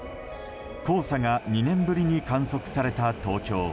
黄砂が２年ぶりに観測された東京。